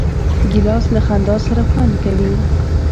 ګیلاس له خندا سره خوند کوي.